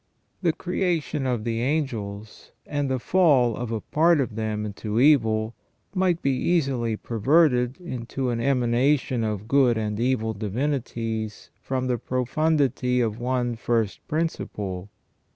The creation of the angels, and the fall of a part of them into evil, might be easily perverted into an emanation of good and evil divinities from the profundity of one first principle.